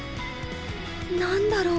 何だろう